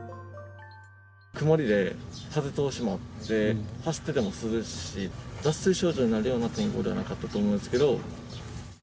曇りで風通しもあって、走ってても涼しい、脱水症状になるような天候ではなかったと思うんですけど。